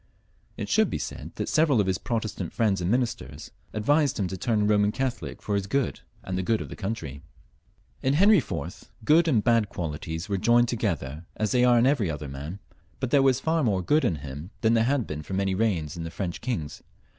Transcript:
It should be said that several of his Protestant friends and ministers advised him to turn Eoman Catholic for his good and the good of the country. In Henry IV. good and bad qualities were joined together as they are in eveiy other man, but there was far more good in him than there had been for many reigns in the French kings.